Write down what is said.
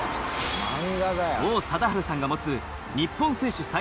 王貞治さんが持つ日本選手最多